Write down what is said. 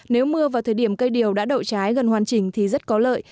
nếu mưa vào thời điểm cây điều đã đậu trái gần hoàn chỉnh thì rất có lợi